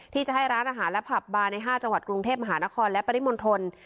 ที่จะให้ร้านอาหารและผับบาร์ใน๕จังหวัดกรุงเทพมหานครและปริมณฑล